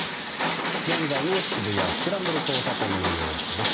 現在の渋谷スクランブル交差点の様子です。